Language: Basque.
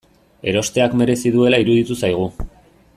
Erosteak merezi duela iruditu zaigu.